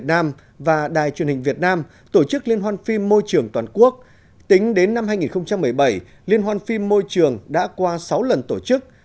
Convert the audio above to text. tính đến năm hai nghìn một mươi bảy liên hoan phim môi trường đã qua sáu lần tổ chức